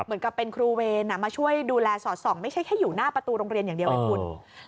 เหมือนกับเป็นครูเวรมาช่วยดูแลสอดส่องไม่ใช่แค่อยู่หน้าประตูโรงเรียนอย่างเดียวไงคุณ